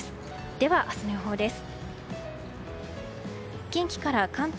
では明日の予報です。